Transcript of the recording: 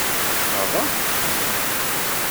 Ɣaḍeɣ-k?